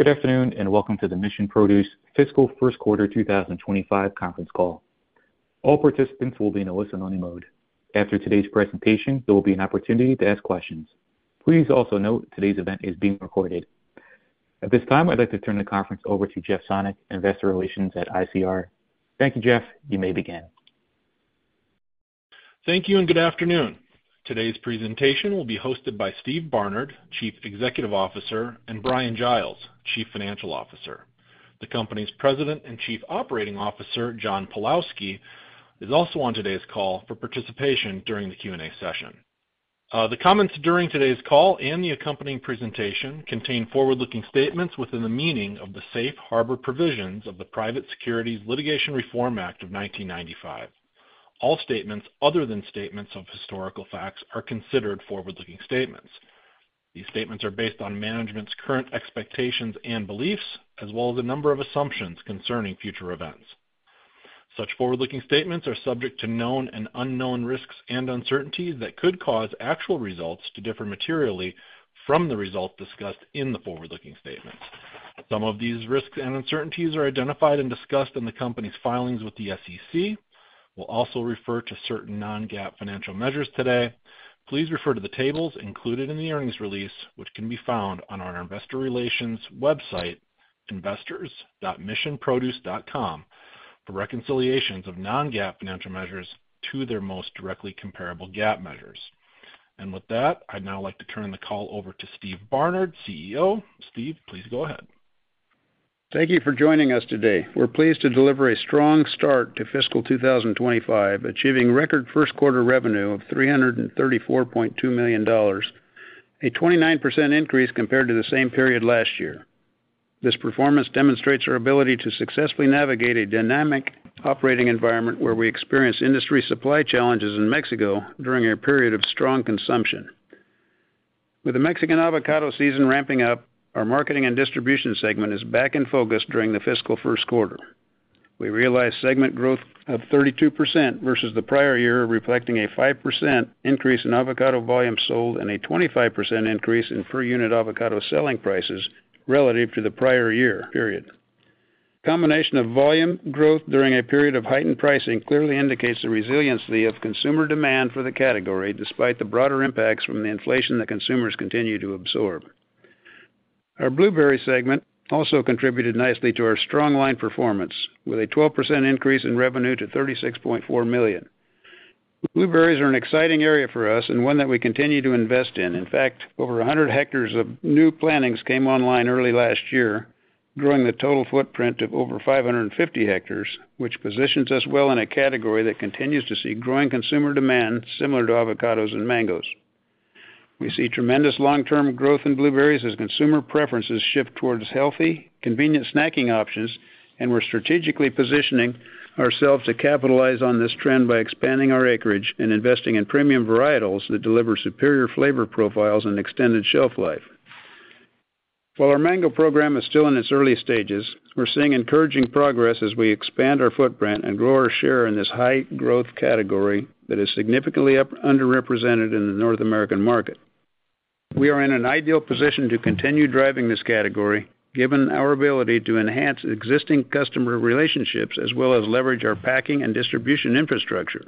Good afternoon and welcome to the Mission Produce Fiscal First Quarter 2025 conference call. All participants will be in a listen-only mode. After today's presentation, there will be an opportunity to ask questions. Please also note today's event is being recorded. At this time, I'd like to turn the conference over to Jeff Sonnek, Investor Relations at ICR. Thank you, Jeff. You may begin. Thank you and good afternoon. Today's presentation will be hosted by Steve Barnard, Chief Executive Officer, and Bryan Giles, Chief Financial Officer. The company's President and Chief Operating Officer, John Pawlowski, is also on today's call for participation during the Q&A session. The comments during today's call and the accompanying presentation contain forward-looking statements within the meaning of the safe harbor provisions of the Private Securities Litigation Reform Act of 1995. All statements other than statements of historical facts are considered forward-looking statements. These statements are based on management's current expectations and beliefs, as well as a number of assumptions concerning future events. Such forward-looking statements are subject to known and unknown risks and uncertainties that could cause actual results to differ materially from the results discussed in the forward-looking statements. Some of these risks and uncertainties are identified and discussed in the company's filings with the SEC. We'll also refer to certain non-GAAP financial measures today. Please refer to the tables included in the earnings release, which can be found on our Investor Relations website, investors.missionproduce.com, for reconciliations of non-GAAP financial measures to their most directly comparable GAAP measures. With that, I'd now like to turn the call over to Steve Barnard, CEO. Steve, please go ahead. Thank you for joining us today. We're pleased to deliver a strong start to fiscal 2025, achieving record first quarter revenue of $334.2 million, a 29% increase compared to the same period last year. This performance demonstrates our ability to successfully navigate a dynamic operating environment where we experience industry supply challenges in Mexico during a period of strong consumption. With the Mexican avocado season ramping up, our marketing and distribution segment is back in focus during the fiscal first quarter. We realized segment growth of 32% versus the prior year, reflecting a 5% increase in avocado volume sold and a 25% increase in per unit avocado selling prices relative to the prior year. Combination of volume growth during a period of heightened pricing clearly indicates the resiliency of consumer demand for the category despite the broader impacts from the inflation that consumers continue to absorb. Our blueberry segment also contributed nicely to our strong line performance, with a 12% increase in revenue to $36.4 million. Blueberries are an exciting area for us and one that we continue to invest in. In fact, over 100 hectares of new plantings came online early last year, growing the total footprint to over 550 hectares, which positions us well in a category that continues to see growing consumer demand similar to avocados and mangoes. We see tremendous long-term growth in blueberries as consumer preferences shift towards healthy, convenient snacking options, and we're strategically positioning ourselves to capitalize on this trend by expanding our acreage and investing in premium varietals that deliver superior flavor profiles and extended shelf life. While our mango program is still in its early stages, we're seeing encouraging progress as we expand our footprint and grow our share in this high-growth category that is significantly underrepresented in the North American market. We are in an ideal position to continue driving this category given our ability to enhance existing customer relationships as well as leverage our packing and distribution infrastructure.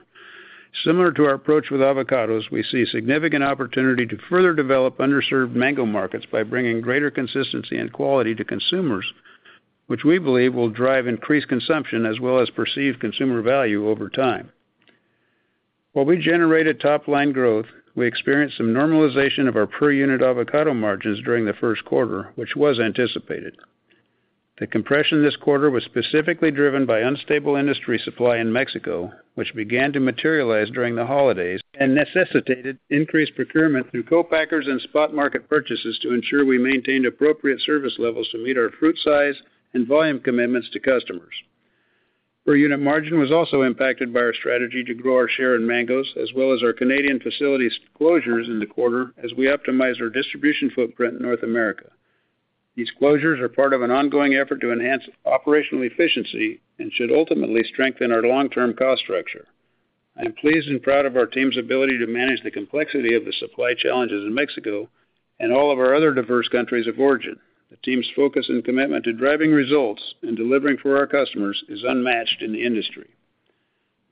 Similar to our approach with avocados, we see significant opportunity to further develop underserved mango markets by bringing greater consistency and quality to consumers, which we believe will drive increased consumption as well as perceived consumer value over time. While we generated top-line growth, we experienced some normalization of our per unit avocado margins during the first quarter, which was anticipated. The compression this quarter was specifically driven by unstable industry supply in Mexico, which began to materialize during the holidays and necessitated increased procurement through co-packers and spot market purchases to ensure we maintained appropriate service levels to meet our fruit size and volume commitments to customers. Per unit margin was also impacted by our strategy to grow our share in mangoes as well as our Canadian facilities closures in the quarter as we optimize our distribution footprint in North America. These closures are part of an ongoing effort to enhance operational efficiency and should ultimately strengthen our long-term cost structure. I'm pleased and proud of our team's ability to manage the complexity of the supply challenges in Mexico and all of our other diverse countries of origin. The team's focus and commitment to driving results and delivering for our customers is unmatched in the industry.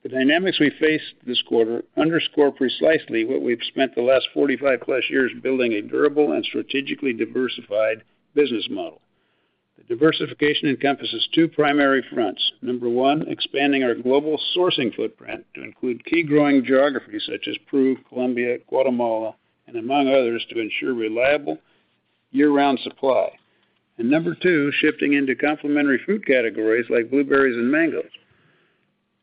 The dynamics we faced this quarter underscore precisely what we've spent the last 45-plus years building: a durable and strategically diversified business model. The diversification encompasses two primary fronts. Number one, expanding our global sourcing footprint to include key growing geographies such as Peru, Colombia, Guatemala, and among others to ensure reliable year-round supply. Number two, shifting into complementary fruit categories like blueberries and mangoes.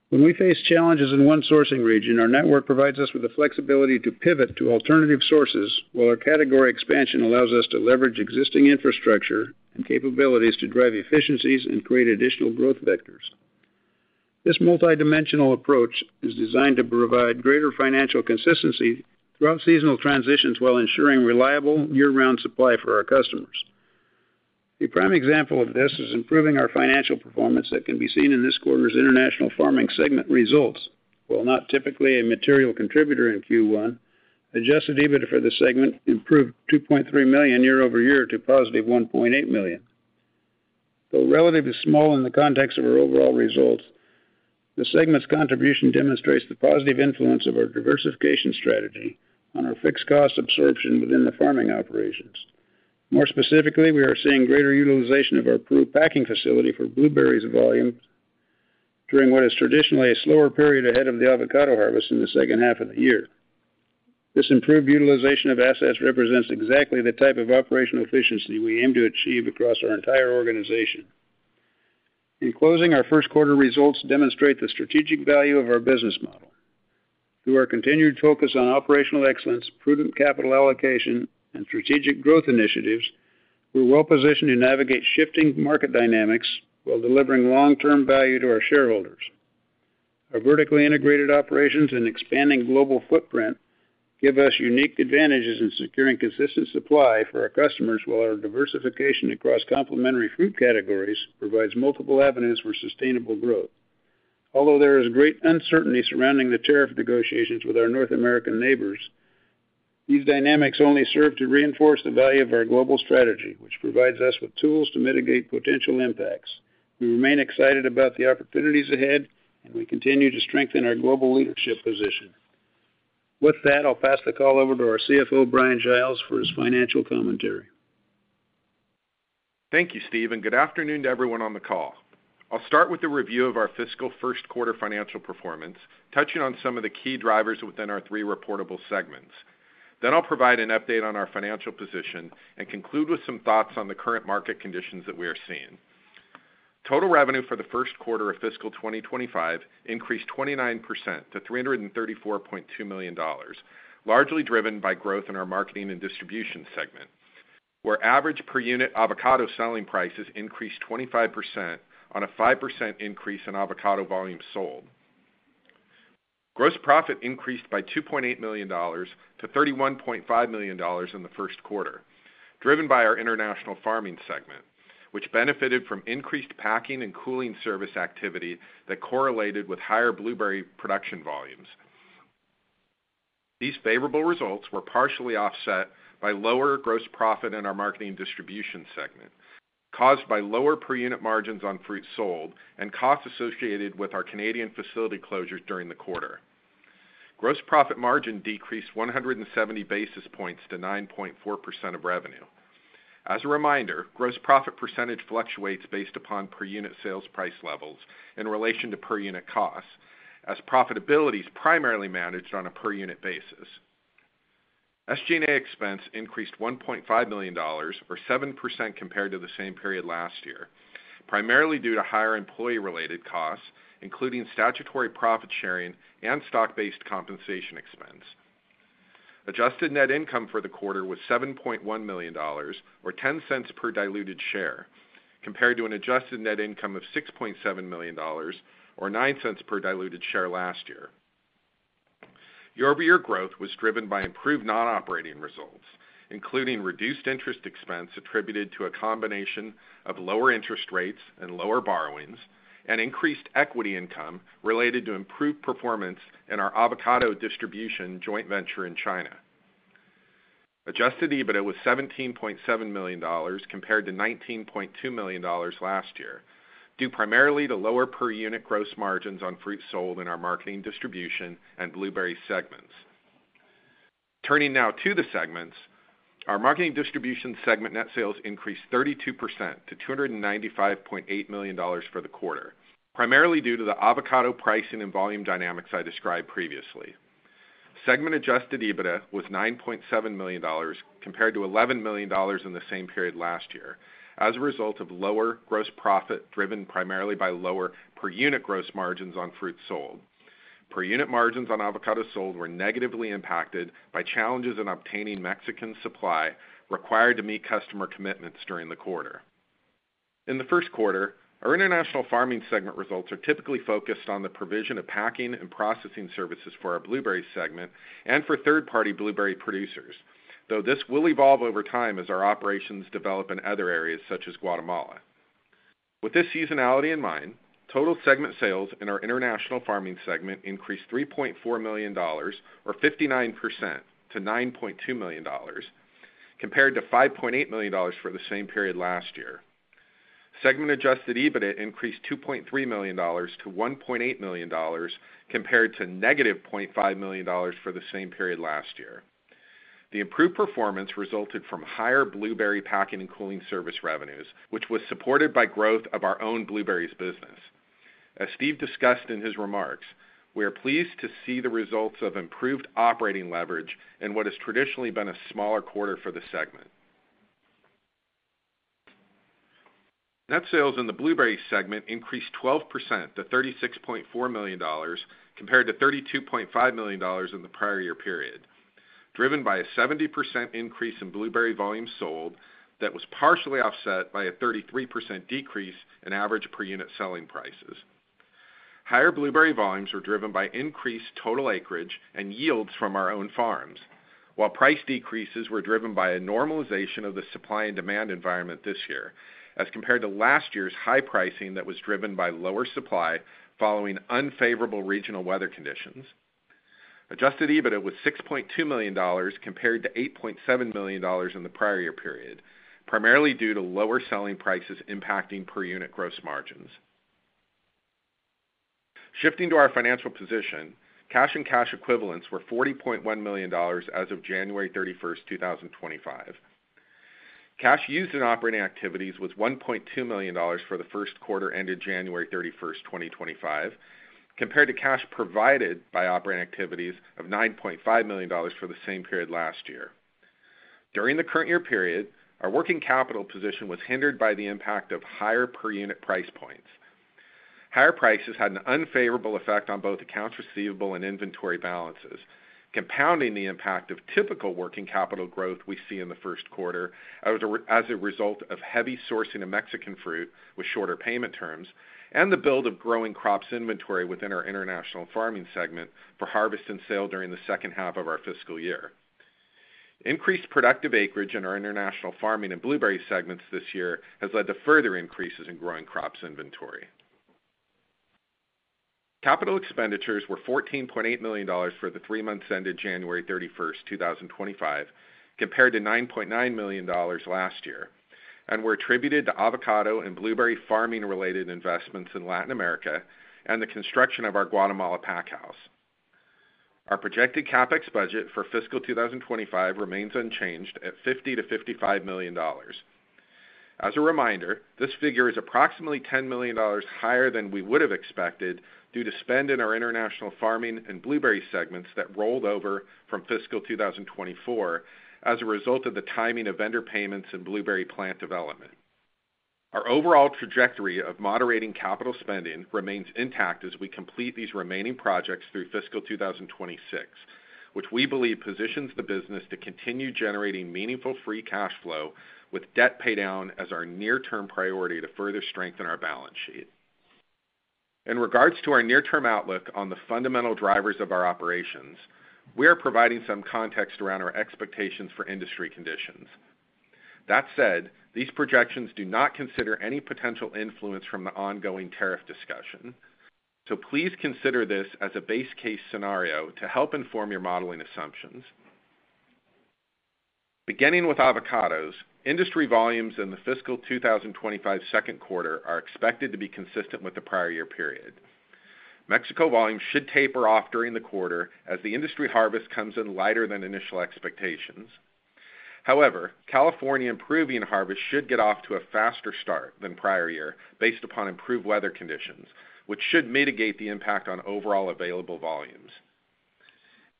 When we face challenges in one sourcing region, our network provides us with the flexibility to pivot to alternative sources while our category expansion allows us to leverage existing infrastructure and capabilities to drive efficiencies and create additional growth vectors. This multidimensional approach is designed to provide greater financial consistency throughout seasonal transitions while ensuring reliable year-round supply for our customers. A prime example of this is improving our financial performance that can be seen in this quarter's international farming segment results. While not typically a material contributor in Q1, adjusted EBITDA for the segment improved $2.3 million year-over-year to positive $1.8 million. Though relatively small in the context of our overall results, the segment's contribution demonstrates the positive influence of our diversification strategy on our fixed cost absorption within the farming operations. More specifically, we are seeing greater utilization of our Peru packing facility for blueberries volume during what is traditionally a slower period ahead of the avocado harvest in the second half of the year. This improved utilization of assets represents exactly the type of operational efficiency we aim to achieve across our entire organization. In closing, our first quarter results demonstrate the strategic value of our business model. Through our continued focus on operational excellence, prudent capital allocation, and strategic growth initiatives, we're well positioned to navigate shifting market dynamics while delivering long-term value to our shareholders. Our vertically integrated operations and expanding global footprint give us unique advantages in securing consistent supply for our customers while our diversification across complementary fruit categories provides multiple avenues for sustainable growth. Although there is great uncertainty surrounding the tariff negotiations with our North American neighbors, these dynamics only serve to reinforce the value of our global strategy, which provides us with tools to mitigate potential impacts. We remain excited about the opportunities ahead, and we continue to strengthen our global leadership position. With that, I'll pass the call over to our CFO, Bryan Giles, for his financial commentary. Thank you, Steve, and good afternoon to everyone on the call. I'll start with a review of our fiscal first quarter financial performance, touching on some of the key drivers within our three reportable segments. I'll provide an update on our financial position and conclude with some thoughts on the current market conditions that we are seeing. Total revenue for the first quarter of fiscal 2025 increased 29% to $334.2 million, largely driven by growth in our marketing and distribution segment, where average per unit avocado selling prices increased 25% on a 5% increase in avocado volume sold. Gross profit increased by $2.8 million to $31.5 million in the first quarter, driven by our international farming segment, which benefited from increased packing and cooling service activity that correlated with higher blueberry production volumes. These favorable results were partially offset by lower gross profit in our marketing and distribution segment, caused by lower per unit margins on fruit sold and costs associated with our Canadian facility closures during the quarter. Gross profit margin decreased 170 basis points to 9.4% of revenue. As a reminder, gross profit percentage fluctuates based upon per unit sales price levels in relation to per unit costs, as profitability is primarily managed on a per unit basis. SG&A expense increased $1.5 million, or 7% compared to the same period last year, primarily due to higher employee-related costs, including statutory profit sharing and stock-based compensation expense. Adjusted net income for the quarter was $7.1 million, or $0.10 per diluted share, compared to an adjusted net income of $6.7 million, or $0.09 per diluted share last year. Year-over-year growth was driven by improved non-operating results, including reduced interest expense attributed to a combination of lower interest rates and lower borrowings, and increased equity income related to improved performance in our avocado distribution joint venture in China. Adjusted EBITDA was $17.7 million compared to $19.2 million last year, due primarily to lower per unit gross margins on fruit sold in our marketing distribution and blueberry segments. Turning now to the segments, our marketing distribution segment net sales increased 32% to $295.8 million for the quarter, primarily due to the avocado pricing and volume dynamics I described previously. Segment-adjusted EBITDA was $9.7 million compared to $11 million in the same period last year, as a result of lower gross profit driven primarily by lower per unit gross margins on fruit sold. Per unit margins on avocado sold were negatively impacted by challenges in obtaining Mexican supply required to meet customer commitments during the quarter. In the first quarter, our international farming segment results are typically focused on the provision of packing and processing services for our blueberry segment and for third-party blueberry producers, though this will evolve over time as our operations develop in other areas such as Guatemala. With this seasonality in mind, total segment sales in our international farming segment increased $3.4 million, or 59%, to $9.2 million, compared to $5.8 million for the same period last year. Segment-adjusted EBITDA increased $2.3 million to $1.8 million compared to negative $0.5 million for the same period last year. The improved performance resulted from higher blueberry packing and cooling service revenues, which was supported by growth of our own blueberries business. As Steve discussed in his remarks, we are pleased to see the results of improved operating leverage in what has traditionally been a smaller quarter for the segment. Net sales in the blueberry segment increased 12% to $36.4 million compared to $32.5 million in the prior year period, driven by a 70% increase in blueberry volume sold that was partially offset by a 33% decrease in average per unit selling prices. Higher blueberry volumes were driven by increased total acreage and yields from our own farms, while price decreases were driven by a normalization of the supply and demand environment this year as compared to last year's high pricing that was driven by lower supply following unfavorable regional weather conditions. Adjusted EBITDA was $6.2 million compared to $8.7 million in the prior year period, primarily due to lower selling prices impacting per unit gross margins. Shifting to our financial position, cash and cash equivalents were $40.1 million as of January 31, 2025. Cash used in operating activities was $1.2 million for the first quarter ended January 31, 2025, compared to cash provided by operating activities of $9.5 million for the same period last year. During the current year period, our working capital position was hindered by the impact of higher per unit price points. Higher prices had an unfavorable effect on both accounts receivable and inventory balances, compounding the impact of typical working capital growth we see in the first quarter as a result of heavy sourcing of Mexican fruit with shorter payment terms and the build of growing crops inventory within our international farming segment for harvest and sale during the second half of our fiscal year. Increased productive acreage in our international farming and blueberry segments this year has led to further increases in growing crops inventory. Capital expenditures were $14.8 million for the three months ended January 31, 2025, compared to $9.9 million last year, and were attributed to avocado and blueberry farming-related investments in Latin America and the construction of our Guatemala packhouse. Our projected CapEx budget for fiscal 2025 remains unchanged at $50-$55 million. As a reminder, this figure is approximately $10 million higher than we would have expected due to spend in our international farming and blueberry segments that rolled over from fiscal 2024 as a result of the timing of vendor payments and blueberry plant development. Our overall trajectory of moderating capital spending remains intact as we complete these remaining projects through fiscal 2026, which we believe positions the business to continue generating meaningful free cash flow with debt paydown as our near-term priority to further strengthen our balance sheet. In regards to our near-term outlook on the fundamental drivers of our operations, we are providing some context around our expectations for industry conditions. That said, these projections do not consider any potential influence from the ongoing tariff discussion, so please consider this as a base case scenario to help inform your modeling assumptions. Beginning with avocados, industry volumes in the fiscal 2025 second quarter are expected to be consistent with the prior year period. Mexico volumes should taper off during the quarter as the industry harvest comes in lighter than initial expectations. However, California and Peruvian harvest should get off to a faster start than prior year based upon improved weather conditions, which should mitigate the impact on overall available volumes.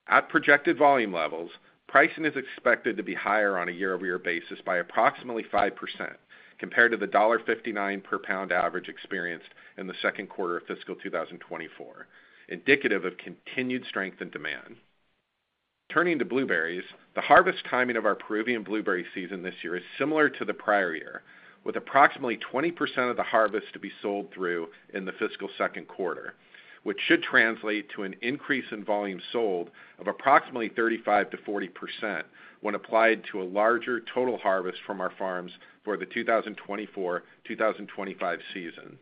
At projected volume levels, pricing is expected to be higher on a year-over-year basis by approximately 5% compared to the $1.59 per pound average experienced in the second quarter of fiscal 2024, indicative of continued strength in demand. Turning to blueberries, the harvest timing of our Peruvian blueberry season this year is similar to the prior year, with approximately 20% of the harvest to be sold through in the fiscal second quarter, which should translate to an increase in volume sold of approximately 35-40% when applied to a larger total harvest from our farms for the 2024-2025 season.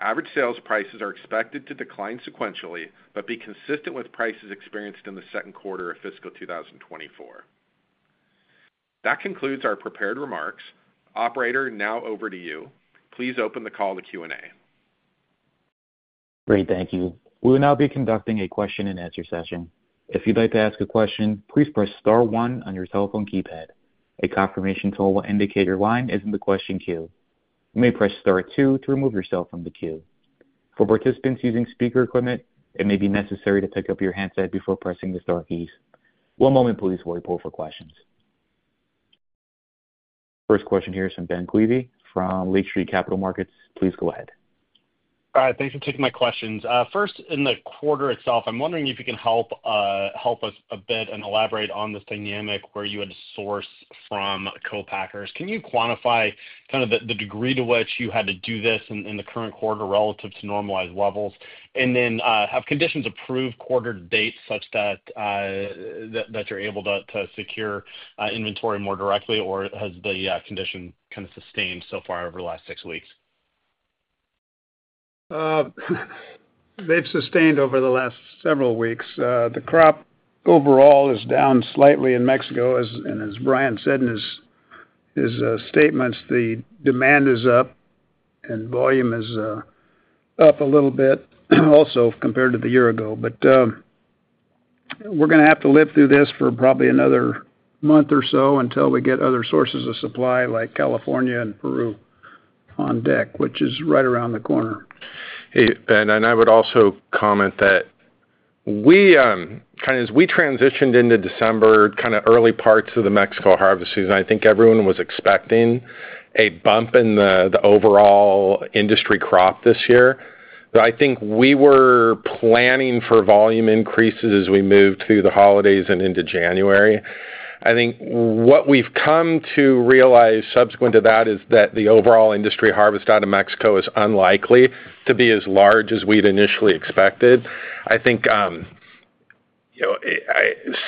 Average sales prices are expected to decline sequentially but be consistent with prices experienced in the second quarter of fiscal 2024. That concludes our prepared remarks. Operator, now over to you. Please open the call to Q&A. Great. Thank you. We will now be conducting a question-and-answer session. If you'd like to ask a question, please press Star 1 on your telephone keypad. A confirmation tool will indicate your line is in the question queue. You may press Star 2 to remove yourself from the queue. For participants using speaker equipment, it may be necessary to pick up your handset before pressing the Star keys. One moment, please, while we pull for questions. First question here is from Ben Klieve from Lake Street Capital Markets. Please go ahead. All right. Thanks for taking my questions. First, in the quarter itself, I'm wondering if you can help us a bit and elaborate on this dynamic where you had to source from co-packers. Can you quantify kind of the degree to which you had to do this in the current quarter relative to normalized levels? Can you elaborate if conditions have improved quarter to date such that you're able to secure inventory more directly, or has the condition kind of sustained so far over the last six weeks? They've sustained over the last several weeks. The crop overall is down slightly in Mexico, and as Bryan said in his statements, the demand is up and volume is up a little bit also compared to the year ago. We're going to have to live through this for probably another month or so until we get other sources of supply like California and Peru on deck, which is right around the corner. Hey, Ben, and I would also comment that kind of as we transitioned into December, kind of early parts of the Mexico harvest season, I think everyone was expecting a bump in the overall industry crop this year. I think we were planning for volume increases as we moved through the holidays and into January. I think what we've come to realize subsequent to that is that the overall industry harvest out of Mexico is unlikely to be as large as we'd initially expected. I think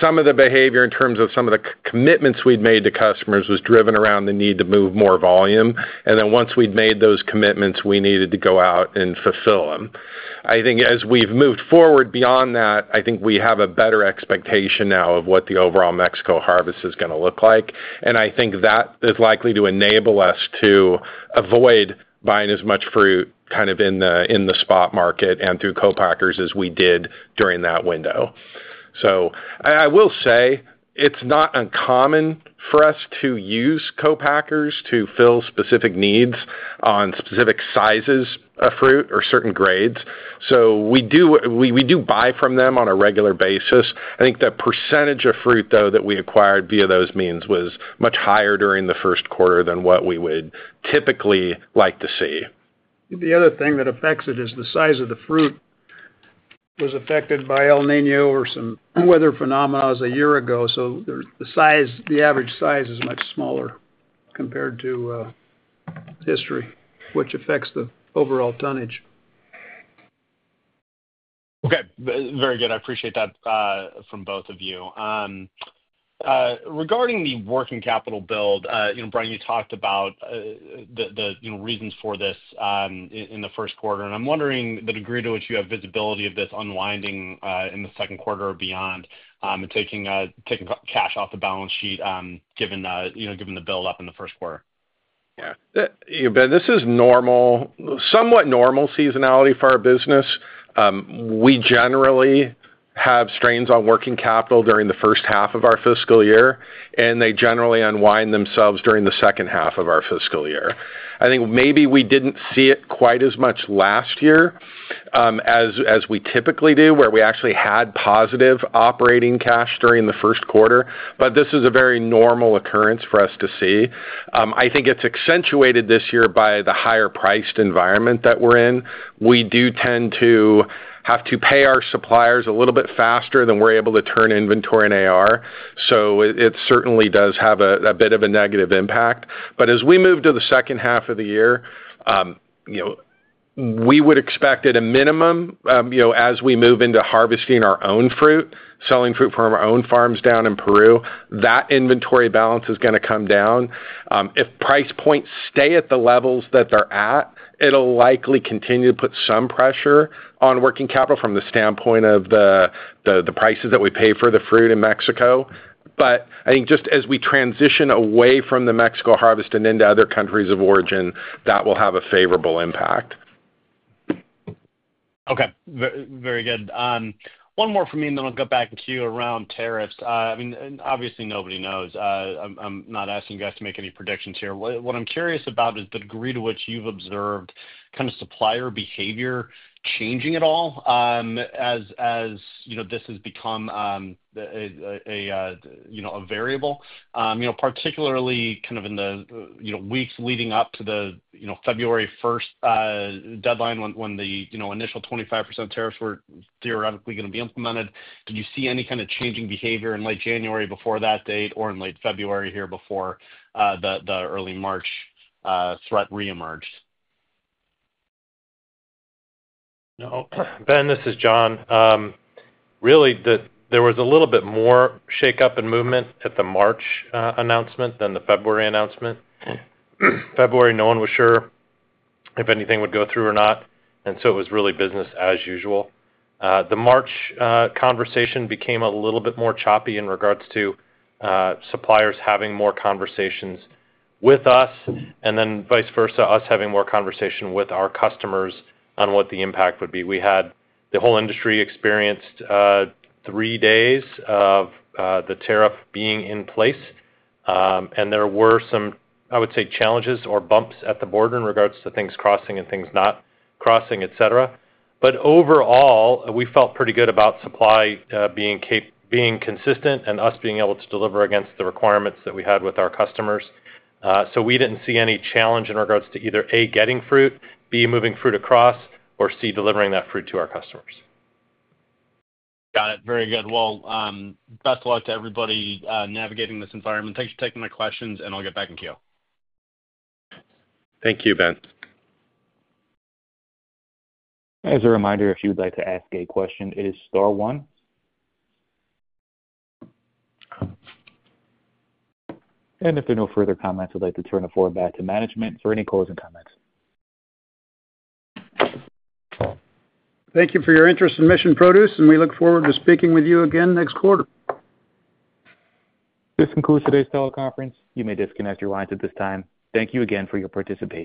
some of the behavior in terms of some of the commitments we'd made to customers was driven around the need to move more volume. Once we'd made those commitments, we needed to go out and fulfill them. I think as we've moved forward beyond that, I think we have a better expectation now of what the overall Mexico harvest is going to look like. I think that is likely to enable us to avoid buying as much fruit kind of in the spot market and through co-packers as we did during that window. I will say it's not uncommon for us to use co-packers to fill specific needs on specific sizes of fruit or certain grades. We do buy from them on a regular basis. I think the percentage of fruit, though, that we acquired via those means was much higher during the first quarter than what we would typically like to see. The other thing that affects it is the size of the fruit was affected by El Niño or some weather phenomenons a year ago. The average size is much smaller compared to history, which affects the overall tonnage. Okay. Very good. I appreciate that from both of you. Regarding the working capital build, Bryan, you talked about the reasons for this in the first quarter. I am wondering the degree to which you have visibility of this unwinding in the second quarter or beyond and taking cash off the balance sheet given the build-up in the first quarter. Yeah. Ben, this is somewhat normal seasonality for our business. We generally have strains on working capital during the first half of our fiscal year, and they generally unwind themselves during the second half of our fiscal year. I think maybe we did not see it quite as much last year as we typically do, where we actually had positive operating cash during the first quarter. This is a very normal occurrence for us to see. I think it is accentuated this year by the higher-priced environment that we are in. We do tend to have to pay our suppliers a little bit faster than we are able to turn inventory in AR. It certainly does have a bit of a negative impact. As we move to the second half of the year, we would expect at a minimum, as we move into harvesting our own fruit, selling fruit from our own farms down in Peru, that inventory balance is going to come down. If price points stay at the levels that they're at, it'll likely continue to put some pressure on working capital from the standpoint of the prices that we pay for the fruit in Mexico. I think just as we transition away from the Mexico harvest and into other countries of origin, that will have a favorable impact. Okay. Very good. One more from me, and then I'll get back to you around tariffs. I mean, obviously, nobody knows. I'm not asking you guys to make any predictions here. What I'm curious about is the degree to which you've observed kind of supplier behavior changing at all as this has become a variable, particularly kind of in the weeks leading up to the February 1 deadline when the initial 25% tariffs were theoretically going to be implemented. Did you see any kind of changing behavior in late January before that date or in late February here before the early March threat re-emerged? No. Ben, this is John. Really, there was a little bit more shake-up and movement at the March announcement than the February announcement. February, no one was sure if anything would go through or not. It was really business as usual. The March conversation became a little bit more choppy in regards to suppliers having more conversations with us and then vice versa, us having more conversation with our customers on what the impact would be. The whole industry experienced three days of the tariff being in place. There were some, I would say, challenges or bumps at the border in regards to things crossing and things not crossing, etc. Overall, we felt pretty good about supply being consistent and us being able to deliver against the requirements that we had with our customers. We did not see any challenge in regards to either A, getting fruit, B, moving fruit across, or C, delivering that fruit to our customers. Got it. Very good. Best of luck to everybody navigating this environment. Thanks for taking my questions, and I'll get back in queue. Thank you, Ben. As a reminder, if you'd like to ask a question, it is Star 1. If there are no further comments, I'd like to turn the floor back to management for any closing comments. Thank you for your interest in Mission Produce, and we look forward to speaking with you again next quarter. This concludes today's teleconference. You may disconnect your lines at this time. Thank you again for your participation.